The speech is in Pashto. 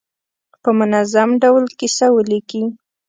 په منظم ډول کیسه ولیکي.